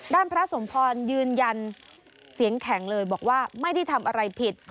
พระสมพรยืนยันเสียงแข็งเลยบอกว่าไม่ได้ทำอะไรผิด